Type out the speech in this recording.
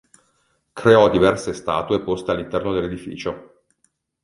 Creò diverse statue poste all'interno del'edificio.